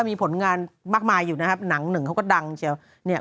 มีผลงานมากมายอยู่นะครับหนังหนึ่งเขาก็ดังเชียวเนี่ย